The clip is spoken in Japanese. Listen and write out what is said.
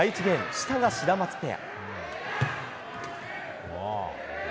下がシダマツペア。